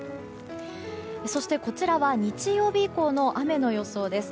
そしてこちらは日曜日以降の雨の予想です。